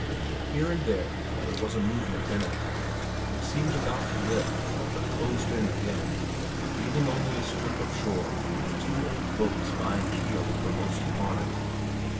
Here and there there was a movement in it; it seemed about to lift, but closed in again, leaving only a strip of shore with two old boats lying keel uppermost upon it.